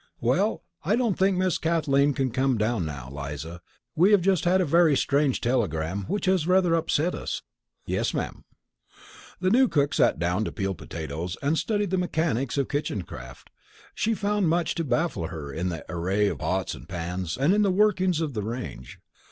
"Well, I don't think Miss Kathleen can come down now, Eliza; we have just had a very strange telegram which has rather upset us." "Yes, ma'am." The new cook sat down to peel potatoes and study the mechanics of Kitchencraft. She found much to baffle her in the array of pots and pans, and in the workings of the range.